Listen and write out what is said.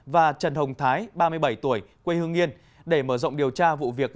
và trần hồng thái ba mươi bảy tuổi quê hương yên để mở rộng điều tra vụ việc